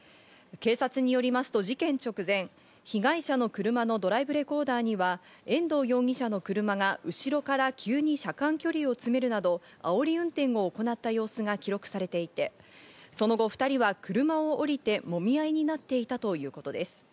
警察によりますと事件直前、被害者の車のドライブレコーダーには遠藤容疑者の車が後ろから急に車間距離を詰めるなど、あおり運転を行った様子が記録されていて、その後２人は車を降りて、もみ合いになっていたということです。